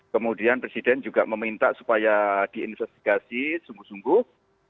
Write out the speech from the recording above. kemudian presiden juga meminta supaya diinvestigasi sungguh sungguh